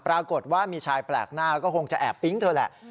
ปรากฏว่ามีชายแปลกหน้าก็คงจะแอบปิ๊งเธอแหละ